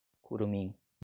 kurumin